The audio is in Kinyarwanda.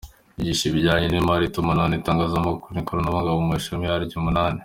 Yigisha ibijyanye n’imari, itumanaho n’itangazamakuru, ikoranabuhanga; mu mashami yaryo umunani.